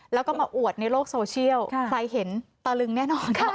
แล้วก็มาอวดในโลกโซเชียลใครเห็นตะลึงแน่นอนค่ะ